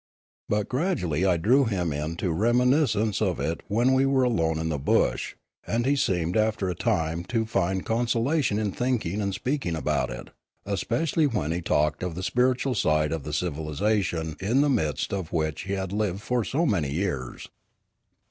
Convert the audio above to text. But gradually I drew him into reminiscence of it when we were alone in the bush, and he seemed after a time to find consolation in thinking and speaking about it, especially when he talked of the spiritual side of the civilisation in the midst of which he had lived for so many years.